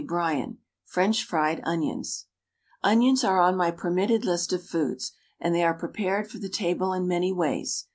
Bryan FRENCH FRIED ONIONS Onions are on my permitted list of foods and they are prepared for the table in many ways.